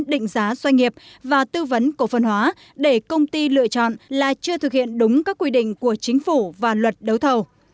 định giá doanh nghiệp và tư vấn cổ phân hóa để công ty lựa chọn là chưa thực hiện đúng các quy định của chính phủ và luật đấu thầu